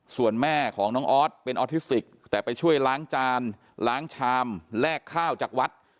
ส่วนแม่ของน้องออสเป็นออทิสติกแต่ไปช่วยล้างจานล้างชามแลกข้าวจากวัด